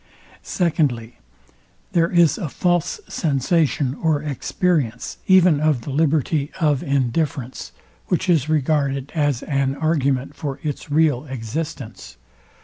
Secondly, There is a false sensation or experience even of the liberty of indifference; which is regarded as an argument for its real existence.